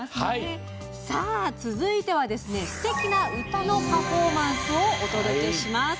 続いてはすてきな歌のパフォーマンスをお届けします。